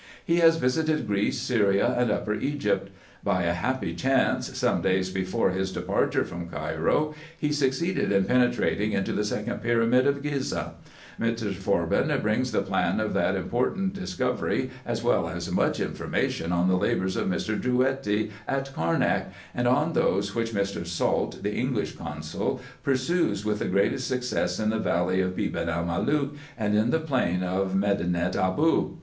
He has visited Greece, Syria, and Upper Egypt. By a happy chance, some days before his departure from Cairo, be succeeded in penetrating into the second pyramid of Ghizeh. Mr. Forbin brings the plan of that important discovery, as well as much information on the labours of Mr. Drouetti, at Carnak, and on those IN EGYPT, NUBIA, Sec. 255 which Mr. Salt, the English consul, pursues with the greatest success in the valley of Beban el Malook, and in the plain of Me dinet Aboo.